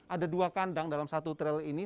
ada dua kandang dalam satu trail ini